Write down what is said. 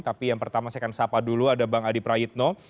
tapi yang pertama saya akan sapa dulu ada bang adi prayitno